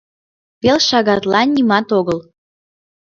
— Пел шагатлан нимат огыл.